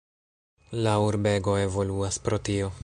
La urbego evoluas pro tio.